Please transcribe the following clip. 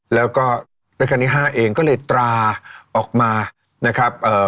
แล้วก็รกรณิห้าเองก็เลยตราออกมานะครับ